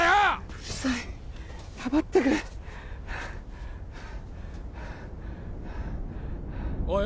うるさい黙ってくれおい